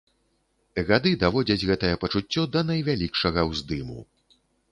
Гады даводзяць гэтае пачуццё да найвялікшага ўздыму.